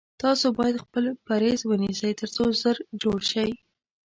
تاسو باید خپل پریز ونیسی تر څو ژر جوړ شی